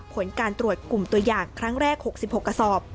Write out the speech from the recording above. ผลการตรวจกลุ่มตัวอย่างครั้งแรก๖๖กระสอบ